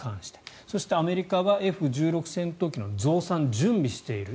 そして、アメリカはＦ１６戦闘機の増産を準備している。